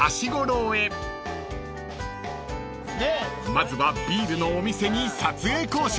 ［まずはビールのお店に撮影交渉］